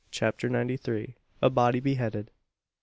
CHAPTER NINETY THREE. A BODY BEHEADED.